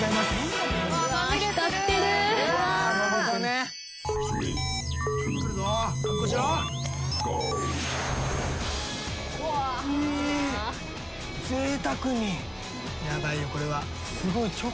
すごい。